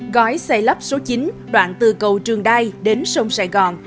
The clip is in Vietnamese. gói xây lắp số chín đoạn từ cầu trường đai đến sông sài gòn